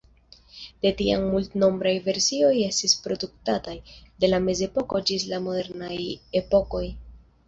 De tiam, multnombraj versioj estis produktataj, de la mezepoko ĝis la modernaj epokoj.